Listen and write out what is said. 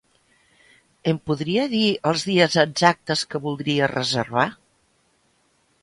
Em podria dir els dies exactes que voldria reservar?